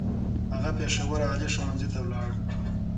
هغه پېښور عالي ښوونځی ته ولاړ.